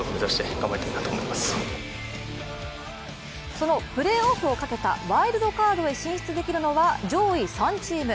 そのプレーオフをかけたワイルドカードへ進出できるのは上位３チーム。